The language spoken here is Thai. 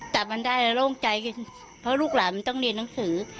จับมันได้เราโล่งใจกันเพราะลูกหลานมันต้องเรียนหนังสือ